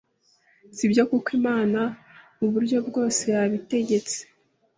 sibyo kuko Imana muburyo bwose yabitegetse